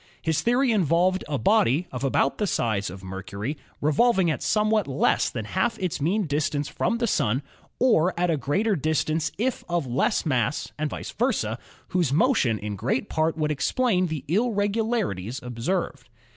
His theory involved a body of about the size of Mercury revolving at somewhat less than half its mean distance from the Sun, or at a greater distance if of less mass and vice versa, whose motion in great part would explain the irregulari ties observed.